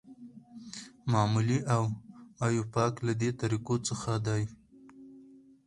معمولي او ایوپاک له دې طریقو څخه دي.